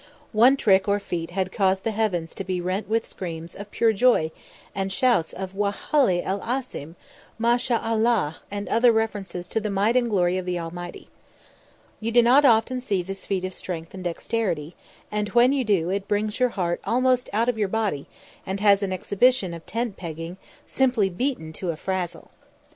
One trick or feat had caused the heavens to be rent with screams of pure joy and shouts of "Wallahi el azim," "Ma sha Allah" and other references to the might and glory of the Almighty. You do not often see this feat of strength and dexterity, and when you do, it brings your heart almost out of your body and has an exhibition of tent pegging simply beaten to a frazzle.